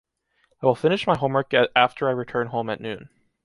I will finish my homework after I return home at noon.